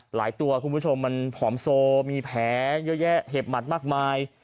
ตัวคุณผู้ชมมันผอมโซมีแผลเยอะแยะเห็บหมัดมากมาย